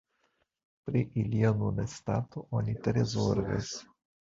Pri ilia nuna stato oni tre zorgas.